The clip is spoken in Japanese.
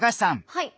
はい。